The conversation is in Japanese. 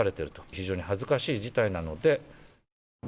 非常に恥ずかしい事態なので。